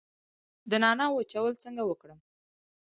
د نعناع وچول څنګه وکړم؟